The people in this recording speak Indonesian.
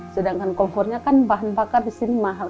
sedangkan kompornya kan bahan bakar di sini mahal